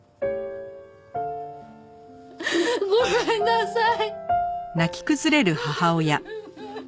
ごめんなさい！